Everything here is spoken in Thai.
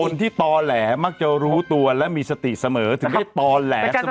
ตอแหลมักจะรู้ตัวและมีสติเสมอถึงได้ตอแหลเสมอ